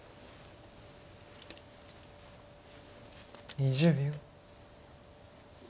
２０秒。